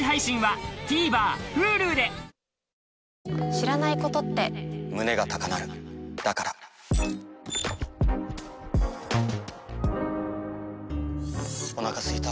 知らないことって胸が高鳴るだからお腹すいた。